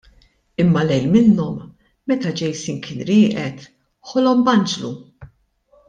Imma lejl minnhom, meta Jason kien rieqed, ħolom b'Anġlu.